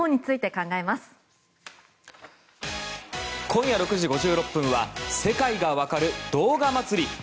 今夜６時５６分は「世界がわかる！動画祭り」。